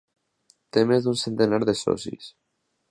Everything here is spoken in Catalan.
Té més d'un centenar de socis.